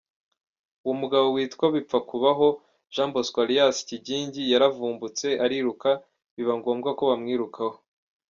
Uwo mugabo witwa Bipfakubaho Jean Bosco alias Kigingi yaravumbutse ariruka biba ngombwa ko bamwirukaho.